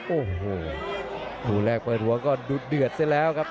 โอ้โหคู่แรกเปิดหัวก็ดูเดือดเสร็จแล้วครับ